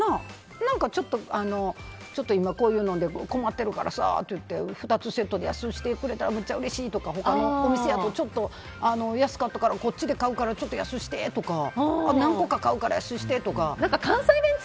今、こういうので困っているからさって言って２つセットで安くしてくれたらむっちゃうれしいとか他のお店やったら安かったからこっちで買うからちょっと安くしてとか何個か買うから安うしてとか。